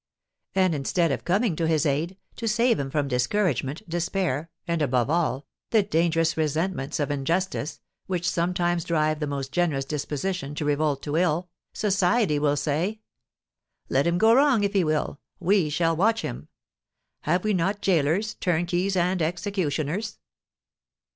And, instead of coming to his aid, to save him from discouragement, despair, and, above all, the dangerous resentments of injustice, which sometimes drive the most generous disposition to revolt to ill, society will say: "Let him go wrong if he will, we shall watch him. Have we not gaolers, turnkeys, and executioners?"